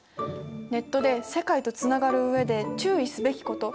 ネットで世界とつながる上で注意すべきこと。